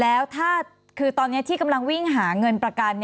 แล้วถ้าคือตอนนี้ที่กำลังวิ่งหาเงินประกัน